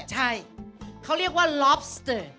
ใช่เขาเรียกว่าลอฟสเตอร์